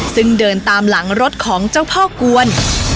ซึ่งเดินตามหลังรถของเจ้าพ่อกวน